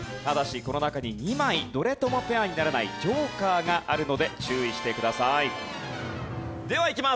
ただしこの中に２枚どれともペアにならないジョーカーがあるので注意してください。